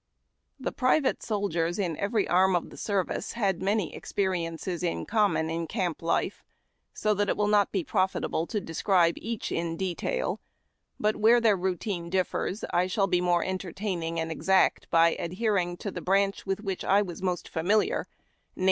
The private soldiers in every arm of the service had many experiences in common in camp life, so that it will not be profitable to describe each in detail, but where the routine differs I shall be more entertaining and exact by adhering to the branch with which I am the most familiar, viz .